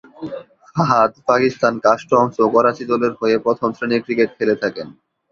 Fahad Pakistan customs ও করাচি দলের হয়ে প্রথম শ্রেনীর ক্রিকেট খেলে থাকেন।